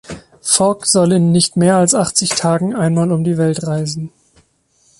Fogg soll in nicht mehr als achtzig Tagen einmal um die Welt reisen.